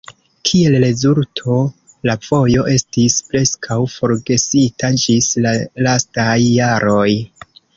Kiel rezulto, la vojo estis preskaŭ forgesita ĝis la lastaj jaroj.